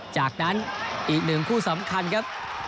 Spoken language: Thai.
จากนั้นอีกหนึ่งคู่สำคัญครับ